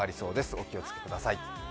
お気を付けください。